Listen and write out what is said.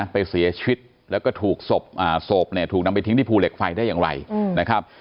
ไปเสียชีวิตแล้วก็ถูกศพเนี่ยถูกนำไปทิ้งที่ภูเหล็กไฟได้อย่างไรนะครับ